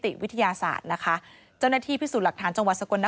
โปรดติดตามต่างกรรมโปรดติดตามต่างกรรม